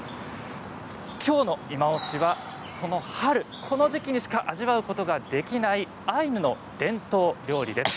きょうのいまオシはその春この時期にしか味わうことができないアイヌの伝統料理です。